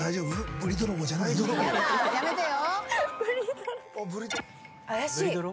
やめてよ。